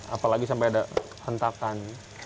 apalagi sampai ada hentakan